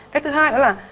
cái thứ hai đó là